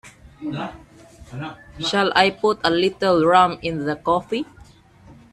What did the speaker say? Shall I put a little rum in the coffee?